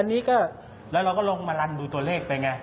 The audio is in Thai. อันนี้ก็แล้วเราก็ลงมารันดูตัวเลขไปไง